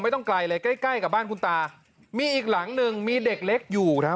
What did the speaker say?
ต้องไกลเลยใกล้ใกล้กับบ้านคุณตามีอีกหลังหนึ่งมีเด็กเล็กอยู่ครับ